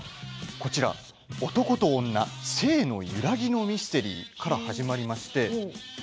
「オトコとオンナ“性”のゆらぎのミステリー」から始まりまして。